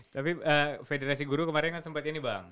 tapi federasi guru kemarin kan sempat ini bang